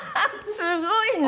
すごいね。